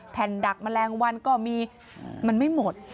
ดักแมลงวันก็มีมันไม่หมด